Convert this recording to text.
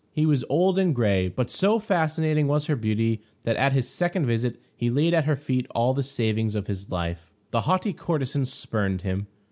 He was old and gray; but so fascinating was her beauty, that at his second visit he laid at her feet all the savings of his life. The haughty courtesan spurned him.